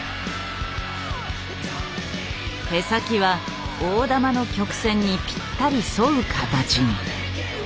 手先は大玉の曲線にぴったり沿う形に。